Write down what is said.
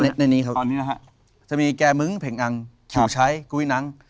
ไม่ในนี้ครับจะมีแก่มึ้งเผ็งอังขิวชัยกุวินัง